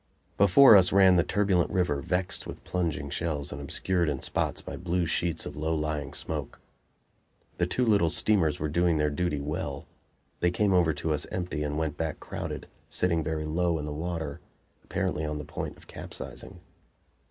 Before us ran the turbulent river, vexed with plunging shells and obscured in spots by blue sheets of low lying smoke. The two little steamers were doing their duty well. They came over to us empty and went back crowded, sitting very low in the water, apparently on the point of capsizing.